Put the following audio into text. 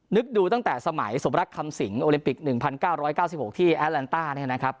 นึกดูตั้งแต่สมัยสมรักคำสิงโอลิมปิก๑๙๙๖ที่แอลต้าเนี่ยนะครับ